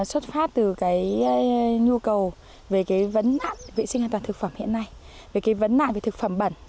xuất phát từ cái nhu cầu về cái vấn đạn vệ sinh an toàn thực phẩm hiện nay về cái vấn nạn về thực phẩm bẩn